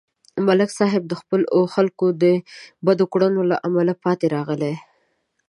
ملک صاحب د خپلو خلکو د بدو کړنو له امله پاتې راغی